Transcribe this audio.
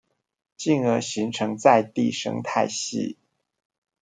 進而形成在地生態系